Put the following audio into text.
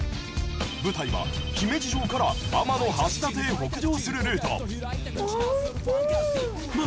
舞台は姫路城から天橋立へ北上するルート。